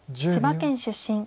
千葉県出身。